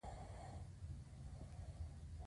موږ د پوزې مرۍ او سږو په مرسته ساه اخلو